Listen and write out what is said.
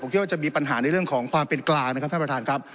ผมคิดว่าจะมีปัญหาในเรื่องของความเป็นกลายนะครับ